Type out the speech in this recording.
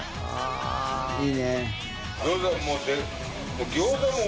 いいね。